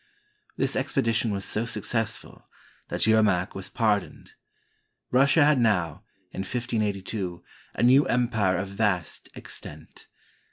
This expedition was so successful that Yer mak was pardoned. Russia had now, in 1582, a new empire of vast extent.